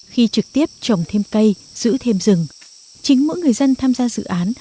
khi trực tiếp trồng thêm cây giữ thêm rừng chính mỗi người dân tham gia dự án